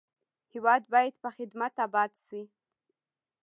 هېواد باید په خدمت اباد شي.